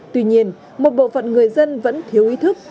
tuy nhiên một bộ phận người dân vẫn thiếu ý thức